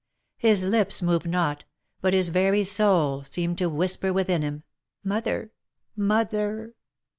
His lips moved not, but his very soul seemed to whisper within him, "Mother! Mother!"